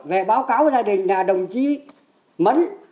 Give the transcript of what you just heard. về báo cáo gia đình là đồng chí mấn